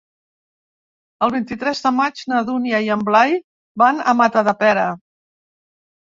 El vint-i-tres de maig na Dúnia i en Blai van a Matadepera.